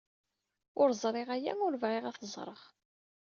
Ur ẓriɣ aya, ur bɣiɣ ad t-ẓreɣ.